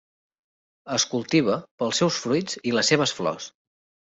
Es cultiva pels seus fruits i les seves flors.